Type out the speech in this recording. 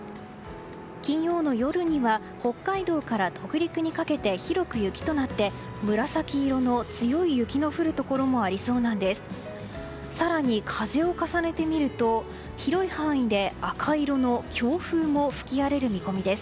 金曜の夜には北海道から北陸にかけて広く雪となって紫色の強い雪の降るところもありそうなんです。